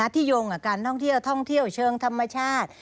โยงกับการท่องเที่ยวท่องเที่ยวเชิงธรรมชาติ